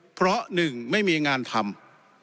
เพราะ๑ไม่มีงานทำ